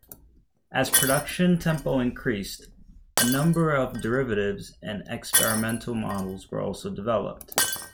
As production tempo increased, a number of derivatives and experimental models were also developed.